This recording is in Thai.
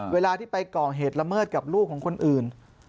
เวลาที่ไปก่อเหตุละเมิดกับลูกของคนอื่น